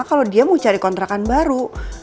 kalau dia mau cari kontrakan baru